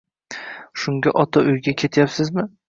- Shunga otauyga ketyapsizmi?